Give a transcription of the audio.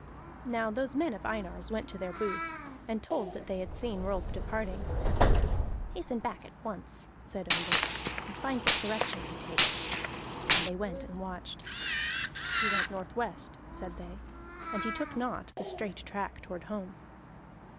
Now those men of Einar's went to their booth, and told that they had seen Rolf departing. "Hasten back at once," said Ondott, "and find what direction he takes." And they went and watched. "He went northwest," said they, "and he took not the straight track toward home."